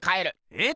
えっ！